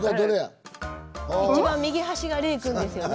一番右端が黎君ですよね。